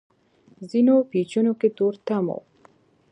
ځينو پېچونو کې تورتم و.